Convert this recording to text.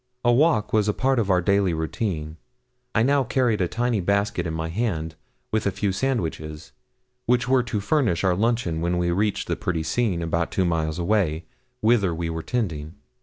A walk was a part of our daily routine. I now carried a tiny basket in my hand, with a few sandwiches, which were to furnish our luncheon when we reached the pretty scene, about two miles away, whither we were tending.